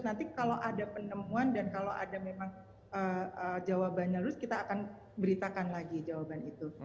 nanti kalau ada penemuan dan kalau ada memang jawabannya terus kita akan beritakan lagi jawaban itu